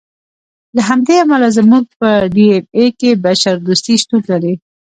له همدې امله زموږ په ډي اېن اې کې بشر دوستي شتون لري.